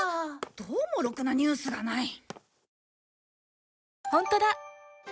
どうもろくなニュースがない。